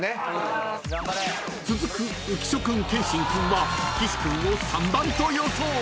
［続く浮所君剣心君は岸君を３番と予想］